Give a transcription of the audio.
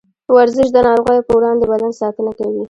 ورزش د نارغيو پر وړاندې د بدن ساتنه کوي.